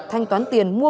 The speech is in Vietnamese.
thanh toán tiền mua